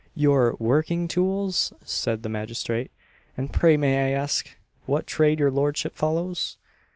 "Your working tools!" said the magistrate; "and pray may I ask what trade your lordship follows?"